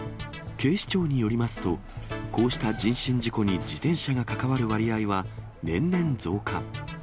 警視庁によりますと、こうした人身事故に自転車が関わる割合は、年々増加。